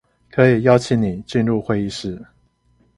可以邀請你進入會議室